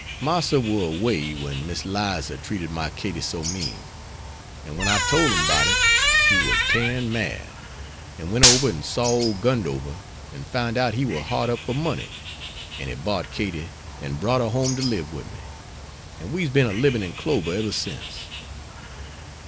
"Marster war away when Miss 'Liza treated my Katie so mean, an' when I tole him 'bout it, he war tearin' mad, an' went ober an' saw ole Gundover, an' foun' out he war hard up for money, an' he bought Katie and brought her home to lib wid me, and we's been a libin in clover eber sence.